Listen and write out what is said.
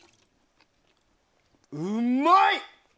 うまい！